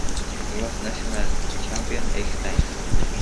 He was national champion eight times.